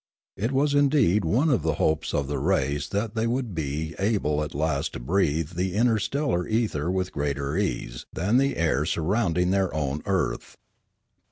It was in deed one of the hopes of the race that they would be able at last to breathe the interstellar ether with greater ease than the air surrounding their own earth.